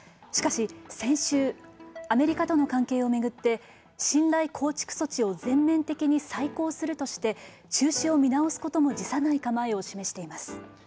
しかし先週アメリカとの関係を巡って信頼構築措置を全面的に再考するとして中止を見直すことも辞さない構えを示しています。